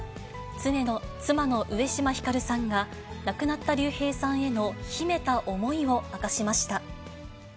妻の上島光さんが、亡くなった竜平さんへの秘めた思いを明かしました。